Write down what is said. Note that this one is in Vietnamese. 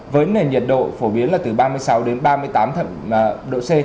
với nền nhiệt độ phổ biến là từ ba mươi sáu đến ba mươi tám độ c